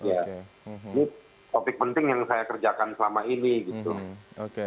ini topik penting yang saya kerjakan selama ini gitu